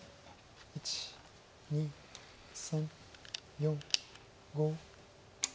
１２３４５。